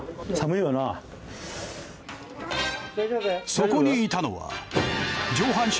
そこにいたのは。